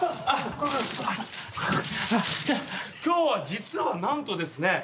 今日は実は何とですね